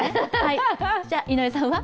じゃあ、井上さんは？